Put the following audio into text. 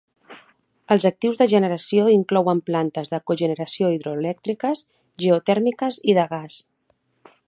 Els actius de generació inclouen plantes de cogeneració hidroelèctriques, geotèrmiques i de gas.